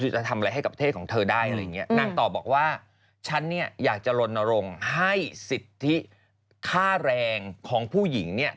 จะทำอะไรให้กับเทศของเธอได้อะไรอย่างเงี้ยนางตอบบอกว่าฉันเนี่ยอยากจะลนรงค์ให้สิทธิค่าแรงของผู้หญิงเนี่ย